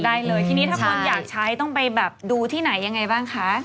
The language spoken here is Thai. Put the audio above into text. ได้เลยทีนี้ถ้าคนอยากใช้ต้องไปแบบดูที่ไหนยังไงบ้างคะ